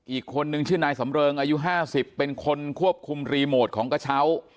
อีกคนนึงชื่อนายสำเริงอายุ๕๐เป็นคนควบคุมรีโมทของกระเช้า